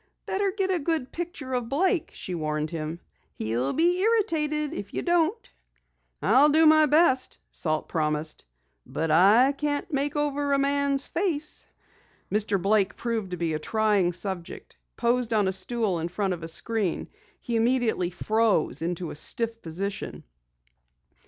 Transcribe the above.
"Better get a good picture of Blake," she warned him. "He'll be irritated if you don't." "I'll do my best," Salt promised, "but I can't make over a man's face." Mr. Blake proved to be a trying subject. Posed on a stool in front of a screen, he immediately "froze" into a stiff position.